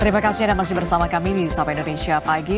terima kasih anda masih bersama kami di sapa indonesia pagi